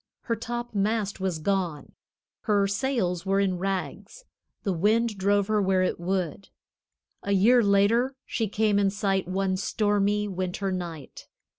Her topmast was gone; her sails were in rags; the wind drove her where it would. A year later she came in sight one stormy winter night.